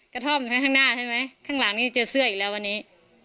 กระท่อมข้างหน้าใช่ไหมข้างหลังนี้เจอเสื้ออีกแล้ววันนี้